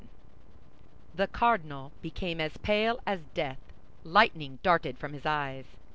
The cardinal became as pale as death; lightning darted from his eyes.